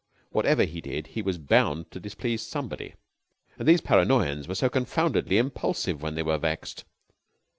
Whatever he did, he was bound to displease somebody; and these Paranoyans were so confoundedly impulsive when they were vexed.